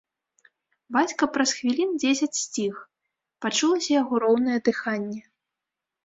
Бацька праз хвілін дзесяць сціх, пачулася яго роўнае дыханне.